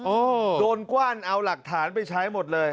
โดนกว้านเอาหลักฐานไปใช้หมดเลย